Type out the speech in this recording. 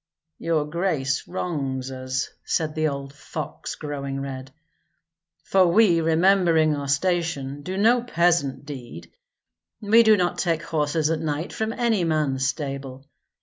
"Your grace wrongs us," said old fox, growing red, "for we, remembering our station, do no peasant deed. We do not take horses at night from any man's stable.